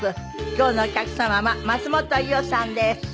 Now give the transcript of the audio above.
今日のお客様は松本伊代さんです。